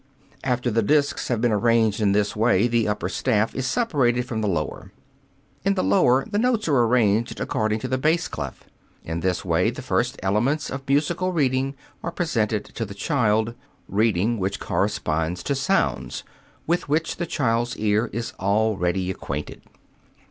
After the discs have been arranged in this way, the upper staff is separated from the lower. In the lower the notes are arranged according to the bass clef. In this way the first elements of musical reading are presented to the child, reading which corresponds to sounds with which the child's ear is already acquainted.